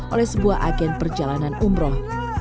oleh sebuah agen perjalanan umroh